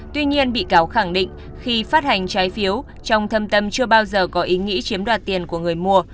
tuy nhiên bị cáo khẳng định khi phát hành trái phiếu trong thâm tâm chưa bao giờ có ý nghĩa chiếm đoạt tiền của người mua